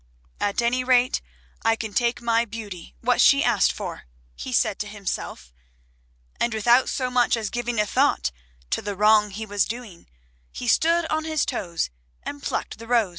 "At any rate I can take my Beauty what she asked for," he said to himself, and, without so much as giving a thought to the wrong he was doing, he stood on his toes and plucked the rose.